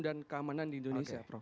dan keamanan di indonesia